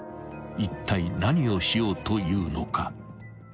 ［いったい何をしようというのか？］